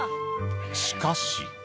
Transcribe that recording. しかし。